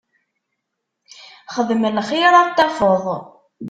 Xdem lxir ad t-tafeḍ.